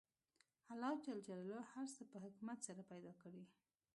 الله ج هر څه په حکمت سره پیدا کړي